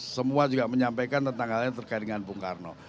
semua juga menyampaikan tentang hal yang terkait dengan bung karno